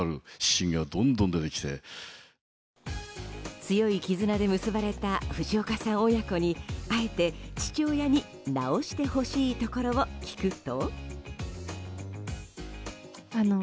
強い絆で結ばれた藤岡さん親子にあえて、父親に直してほしいところを聞くと。